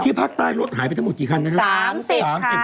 ภาคใต้รถหายไปทั้งหมดกี่คันนะครับ